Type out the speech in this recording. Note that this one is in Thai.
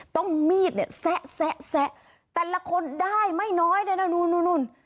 ต้องมีดเนี่ยแซะแต่ละคนได้ไม่น้อยเลยนะนู่น